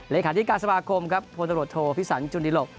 เลขาที่กาลสมาคมพลตรวจโทษฟิศรรย์จุนดิหลก